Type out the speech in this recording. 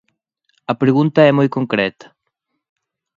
A pregunta é moi concreta.